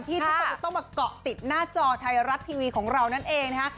ทุกคนจะต้องมาเกาะติดหน้าจอไทยรัฐทีวีของเรานั่นเองนะคะ